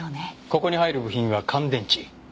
ここに入る部品は乾電池。